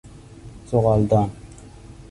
زغالدان